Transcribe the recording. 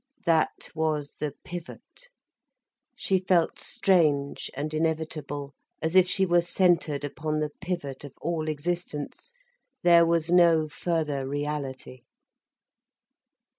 That was the pivot. She felt strange and inevitable, as if she were centred upon the pivot of all existence, there was no further reality.